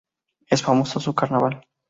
Es famoso su carnaval.